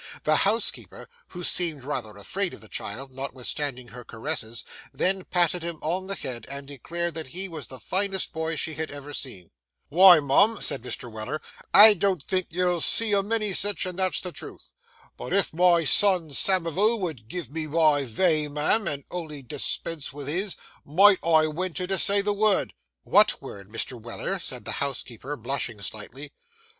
The housekeeper (who seemed rather afraid of the child, notwithstanding her caresses) then patted him on the head, and declared that he was the finest boy she had ever seen. 'Wy, mum,' said Mr. Weller, 'I don't think you'll see a many sich, and that's the truth. But if my son Samivel vould give me my vay, mum, and only dis pense vith his—might I wenter to say the vurd?' 'What word, Mr. Weller?' said the housekeeper, blushing slightly.